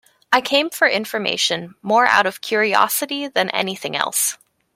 I came for information more out of curiosity than anything else.